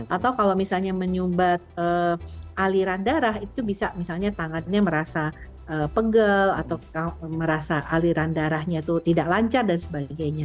atau kalau misalnya menyumbat aliran darah itu bisa misalnya tangannya merasa pegel atau merasa aliran darahnya itu tidak lancar dan sebagainya